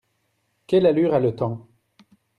Quelle allure a le temps ?